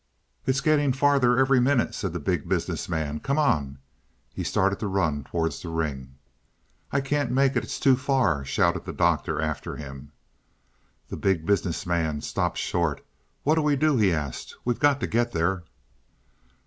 "It's getting farther every minute," said the Big Business Man. "Come on," and he started to run towards the ring. "I can't make it. It's too far!" shouted the Doctor after him. The Big Business Man stopped short. "What'll we do?" he asked. "We've got to get there."